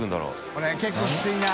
これ結構きついな。